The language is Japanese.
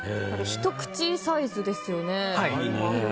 ひと口サイズですよね。